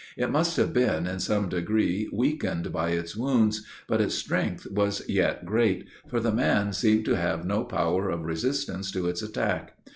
It must have been, in some degree, weakened by its wounds; but its strength was yet great, for the man seemed to have no power of resistance to its attack.